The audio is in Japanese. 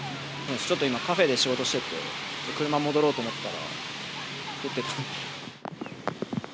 ちょっと今、カフェで仕事してて、車戻ろうと思ったら、降ってて。